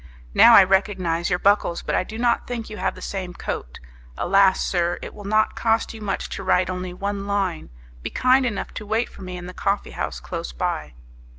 Now I recognize your buckles, but I do not think you have the same coat. Alas, sir! it will not cost you much to write only one line. Be kind enough to wait for me in the coffee house close by."